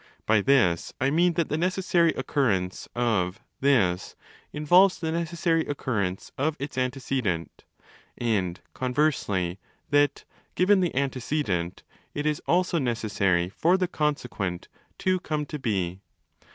By this I mean that the necessary occurrence of 'this' involves the necessary occur rence of its antecedent: and conversely that, given the antecedent, it is also necessary for the consequent to come to be.